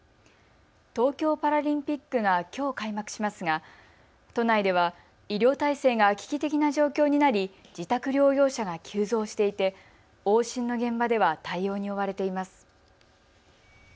東京パラリンピックがきょう開幕しますが都内では医療体制が危機的な状況になり、自宅療養者が急増していて往診の現場では対応に追われています。